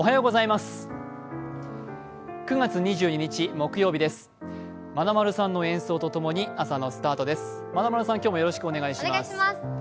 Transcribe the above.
まなまるさんの演奏と共に朝のスタートです。